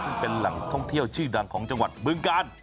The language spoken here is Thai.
ซึ่งเป็นแหล่งท่องเที่ยวชื่อดังของจังหวัดบึงกาล